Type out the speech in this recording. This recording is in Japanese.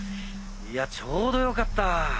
いやちょうどよかった。